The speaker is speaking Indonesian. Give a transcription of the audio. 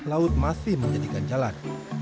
laut masih menjadikan jalan